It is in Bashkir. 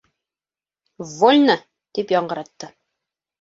— Вольно! — тип яңғыратты.